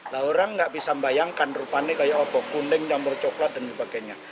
nah orang nggak bisa membayangkan rupanya kayak obok kuning campur coklat dan sebagainya